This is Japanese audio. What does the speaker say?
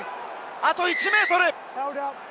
あと１ｍ！